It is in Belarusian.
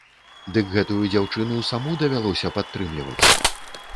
Дык гэтую дзяўчыну саму давялося падтрымліваць.